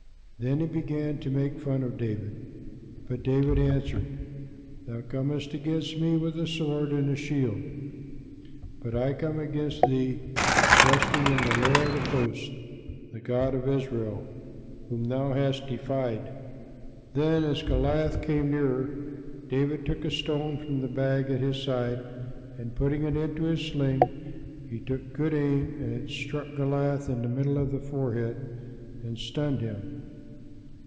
Then he began to make fun of David. But David answered: "Thou comest against me with a sword and a shield; but I come against thee trusting in the Lord of Hosts, the God of Israel, whom thou hast defied." [Illustration: SAUL ANGRY WITH DAVID.] Then, as Goliath came nearer, David took a stone from the bag at his side, and putting it into his sling, he took good aim, and it struck Goliath in the middle of the forehead and stunned him.